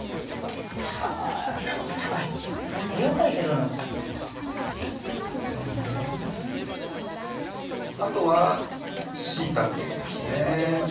はぁ見てこれ絵を描いてるようなあとはしいたけですね